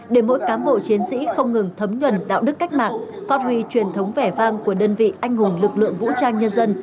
để mỗi cám bộ chiến sĩ không ngừng thấm nhuần đạo đức cách mạng phát huy truyền thống vẻ vang của đơn vị anh hùng lực lượng vũ trang nhân dân